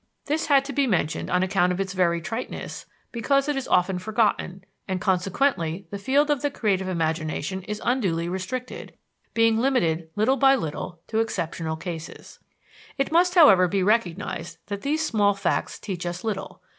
This had to be mentioned on account of its very triteness, because it is often forgotten, and consequently the field of the creative imagination is unduly restricted, being limited little by little to exceptional cases. It must, however, be recognized that these small facts teach us little.